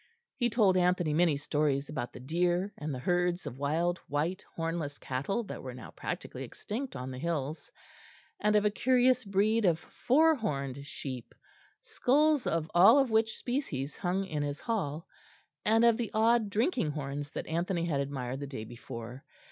He told Anthony many stories about the deer, and the herds of wild white hornless cattle that were now practically extinct on the hills, and of a curious breed of four horned sheep, skulls of all of which species hung in his hall, and of the odd drinking horns that Anthony had admired the day before.